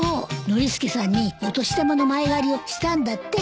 ノリスケさんにお年玉の前借りをしたんだって。